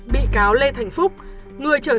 bị cáo lê thành phúc